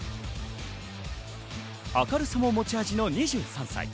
明るさも持ち味の２３歳。